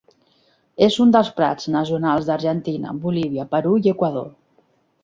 És un dels plats nacionals d'Argentina, Bolívia, Perú i Equador.